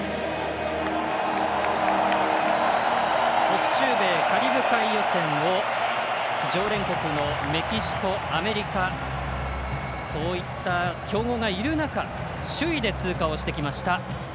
北中米カリブ海予選を常連国のメキシコ、アメリカそういった競合がいる中首位で通過をしてきました